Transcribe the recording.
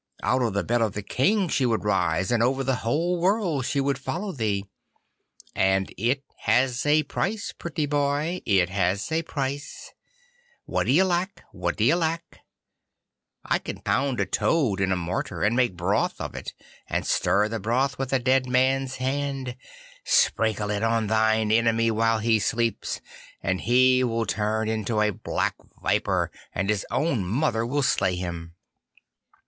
Out of the bed of the King she would rise, and over the whole world she would follow thee. And it has a price, pretty boy, it has a price. What d'ye lack? What d'ye lack? I can pound a toad in a mortar, and make broth of it, and stir the broth with a dead man's hand. Sprinkle it on thine enemy while he sleeps, and he will turn into a black viper, and his own mother will slay him.